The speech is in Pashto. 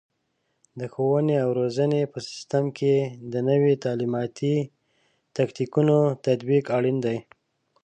د ښوونې او روزنې په سیستم کې د نوي تعلیماتي تکتیکونو تطبیق اړین دی.